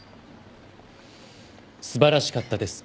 素晴らしかったです。